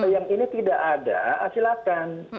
yang ini tidak ada silakan